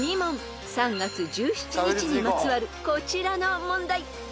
［３月１７日にまつわるこちらの問題］